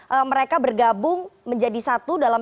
apakah kemudian mereka bergabung menjadi satu dalam satu wadah kami